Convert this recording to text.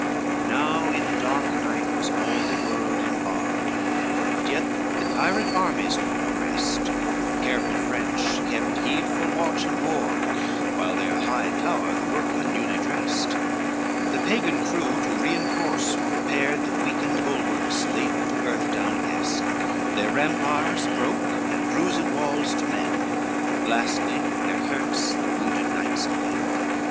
I Now in dark night was all the world embarred; But yet the tired armies took no rest, The careful French kept heedful watch and ward, While their high tower the workmen newly dressed, The Pagan crew to reinforce prepared The weakened bulwarks, late to earth down kest, Their rampiers broke and bruised walls to mend, Lastly their hurts the wounded knights attend.